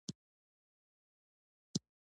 سرحدونه د افغانستان په اوږده تاریخ کې ذکر شوی دی.